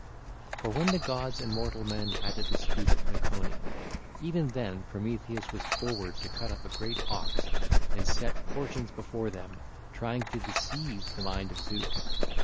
For when the gods and mortal men had a dispute at Mecone, even then Prometheus was forward to cut up a great ox and set portions before them, trying to befool the mind of Zeus.